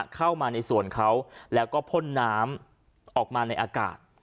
เข้ามาในสวนเขาแล้วก็พ่นน้ำออกมาในอากาศ